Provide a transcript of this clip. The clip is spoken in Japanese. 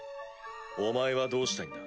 お前はどうしたいんだ？